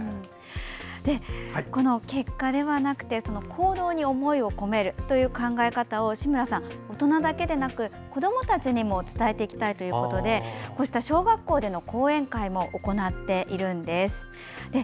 結果ではなくて行動に思いを込めるという考えを志村さん、大人だけでなく子どもたちにも伝えていきたいということで小学校での講演会も行っているんです。